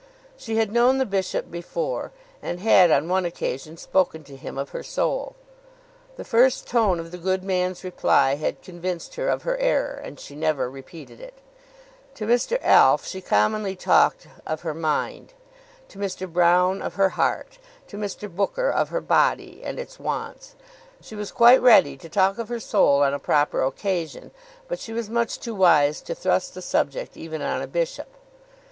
She had known the bishop before, and had on one occasion spoken to him of her soul. The first tone of the good man's reply had convinced her of her error, and she never repeated it. To Mr. Alf she commonly talked of her mind; to Mr. Broune of her heart; to Mr. Booker of her body and its wants. She was quite ready to talk of her soul on a proper occasion, but she was much too wise to thrust the subject even on a bishop.